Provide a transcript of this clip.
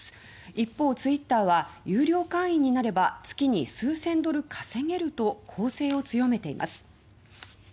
一方ツイッターは有料会員になれば月に数千ドル稼げると攻勢を強めています。